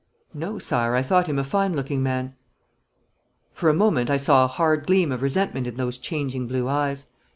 'No, Sire, I thought him a fine looking man.' For a moment I saw a hard gleam of resentment in those changing blue eyes.